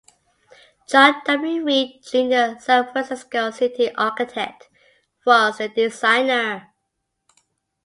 John W. Reid, Junior San Francisco's City Architect, was the designer.